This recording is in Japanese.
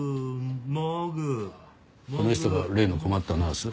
この人が例の困ったナース？